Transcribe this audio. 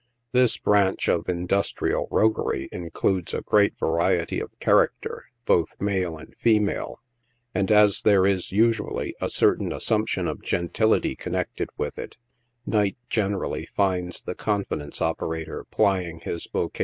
This branch of industrial roguery includes a great variety of character, both male and female, and as there is, usually, a certain assumption of gentility connected with it, night generally finds the confidence operator plying his vocat.